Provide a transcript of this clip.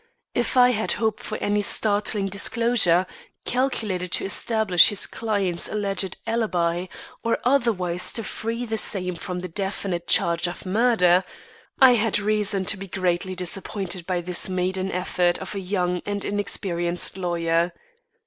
If I had hoped for any startling disclosure, calculated to establish his client's alleged alibi, or otherwise to free the same from the definite charge of murder, I had reason to be greatly disappointed by this maiden effort of a young and inexperienced lawyer.